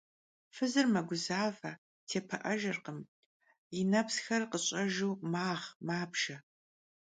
Fızır meguzeve, têpı'ejjırkhım, yi nepsxer khış'ejju mağ - mabjje.